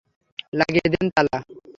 লাগিয়ে দেন তালা।